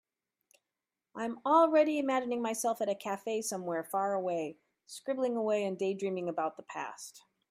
I am already imagining myself at a cafe somewhere far away, scribbling away and daydreaming about the past.